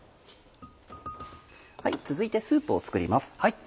続いてスープを作ります。